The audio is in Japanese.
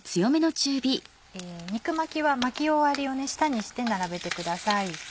肉巻きは巻き終わりを下にして並べてください。